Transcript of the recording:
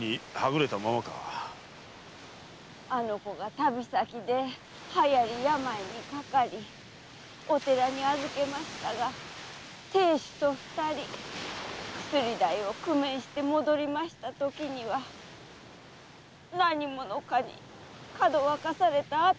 あの子が旅先で流行病にかかりお寺に預けましたが亭主と二人薬代を工面して戻りましたときには何者かに拐かされたあとでした。